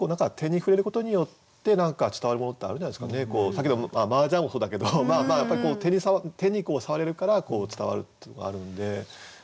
先ほどの麻雀もそうだけど手に触れるから伝わるっていうのがあるので。